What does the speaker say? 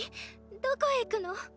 どこへ行くの？